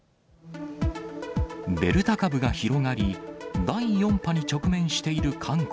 デルタ株が広がり、第４波に直面している韓国。